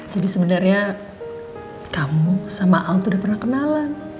jadi sebenarnya kamu sama alt udah pernah kenalan